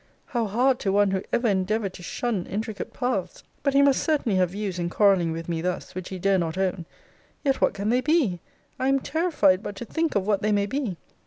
] how hard to one who ever endeavoured to shun intricate paths! But he must certainly have views in quarrelling with me thus, which he dare not own! Yet what can they be? I am terrified but to think of what they may be!